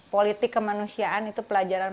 politik kemanusiaan itu pelajaran